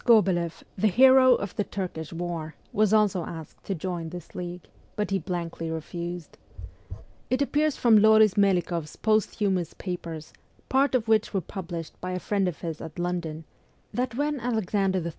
Sk6beleff, the hero of the Turkish war, was also asked to join this league, but he blankly refused. It WESTERN EUROPE 247 appears from L6ris Melikoff' s posthumous papers, part of which were published by a friend of his at London, that when Alexander III.